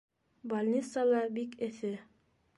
Больницала бик эҫе.